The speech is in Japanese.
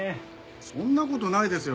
そんな事ないですよ